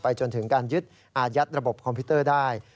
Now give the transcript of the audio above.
จนถึงการยึดอายัดระบบคอมพิวเตอร์ได้